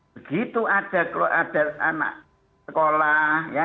begitu ada anak sekolah ya